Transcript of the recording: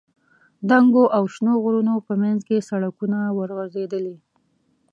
دنګو او شنو غرونو په منځ کې سړکونه ورغځېدلي.